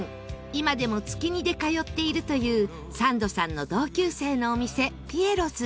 今でも月２で通っているというサンドさんの同級生のお店ピエロズ